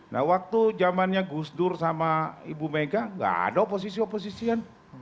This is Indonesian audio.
nah waktu zamannya gus dur sama ibu mega gak ada oposisi oposisian